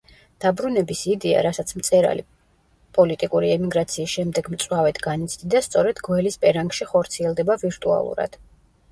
დაბრუნების იდეა, რასაც მწერალი პოლიტიკური ემიგრაციის შემდეგ მწვავედ განიცდიდა, სწორედ გველის პერანგში ხორციელდება ვირტუალურად.